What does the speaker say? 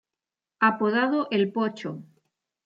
Apodado "el Pocho".